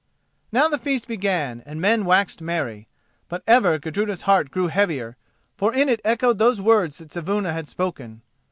Now the feast began, and men waxed merry. But ever Gudruda's heart grew heavier, for in it echoed those words that Saevuna had spoken.